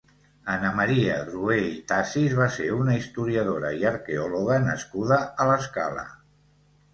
Anna Maria Adroer i Tasis va ser una historiadora i arqueòloga nascuda a l'Escala.